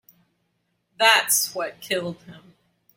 That's what killed him.